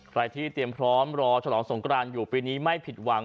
ใครที่เตรียมพร้อมรอฉลองสงกรานอยู่ปีนี้ไม่ผิดหวัง